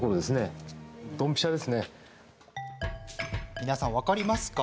皆さん、分かりますか？